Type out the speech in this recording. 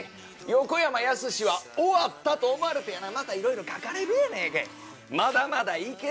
横山やすしは終わったと思われてやな、またいろいろ書かれるやないか。